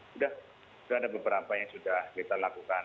sudah ada beberapa yang sudah kita lakukan